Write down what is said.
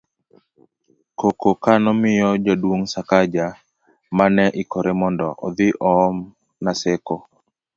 koko ka nomiyo Jaduong' Sakaja ma ne ikore mondo odhi oom Naseko